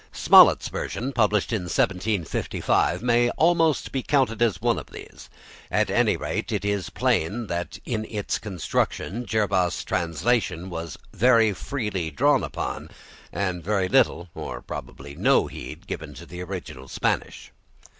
Smollett's version, published in 1755, may be almost counted as one of these. At any rate it is plain that in its construction Jervas's translation was very freely drawn upon, and very little or probably no heed given to the original Spanish.